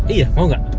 iya mau enggak